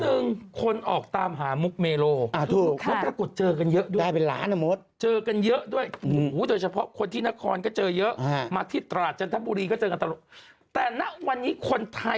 เออความจริงก็ไม่ใช่แบบนี้แล้วท่านธงศึกไปแล้วล่ะ